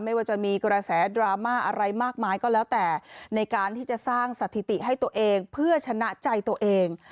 ว่าจะมีกระแสดราม่าอะไรมากมายก็แล้วแต่ในการที่จะสร้างสถิติให้ตัวเองเพื่อชนะใจตัวเอง